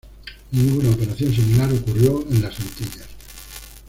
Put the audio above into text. Ninguna operación similar ocurrió en las Antillas.